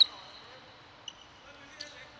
สวัสดีครับ